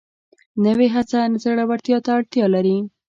نوې هڅه زړورتیا ته اړتیا لري